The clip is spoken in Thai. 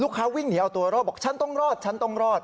ลูกค้าวิ่งเหนียวตัวเนียวบอกฉันต้องรอดฉันต้องรอด